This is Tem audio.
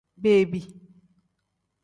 Bebi.